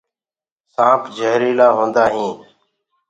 سآنپ جهريٚلآ هوندآ هينٚ۔